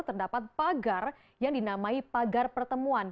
terdapat pagar yang dinamai pagar pertemuan